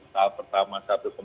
tahap pertama satu dua